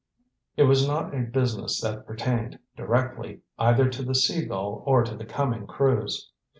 It was not a business that pertained, directly, either to the Sea Gull or to the coming cruise.